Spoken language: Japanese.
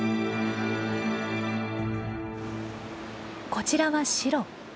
こちらはシロ。